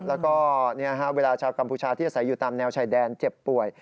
แล้วก็เวลาชาวกัมพูชาที่อาศัยอยู่ตามแนวชายแดนเจ็บป่วย